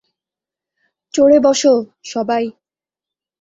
চড়ে বসো, সবাই।